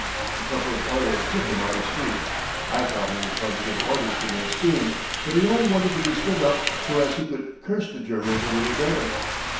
A couple of oilers put him on his feet. I thought he was going to give orders to make steam, but he only wanted to be stood up so as he could curse the Germans a little better.